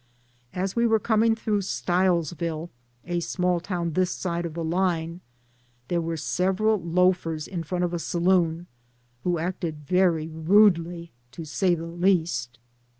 As we were coming through Stilesville, a small town this side the line, there were sev eral loafers in front of a saloon who acted very rudely, to say the least.